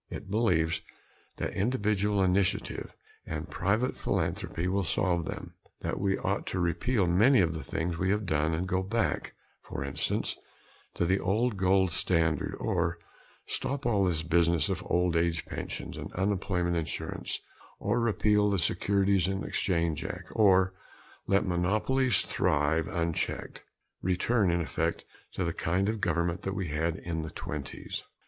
It believes that individual initiative and private philanthropy will solve them that we ought to repeal many of the things we have done and go back, for instance, to the old gold standard, or stop all this business of old age pensions and unemployment insurance, or repeal the Securities and Exchange Act, or let monopolies thrive unchecked return, in effect, to the kind of government that we had in the twenties.